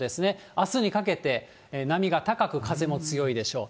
あすにかけて、波が高く風も強いでしょう。